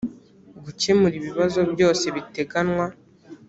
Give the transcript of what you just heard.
gukemura ibibazo byose biteganywa